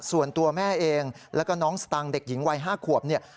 ส่วนตัวแม่เองแล้วก็น้องสตางค์เด็กหญิงวัย๕ขวบเนี่ย